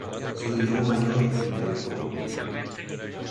Su hijo mayor murió joven.